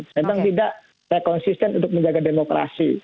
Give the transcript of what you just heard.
saya bilang tidak saya konsisten untuk menjaga demokrasi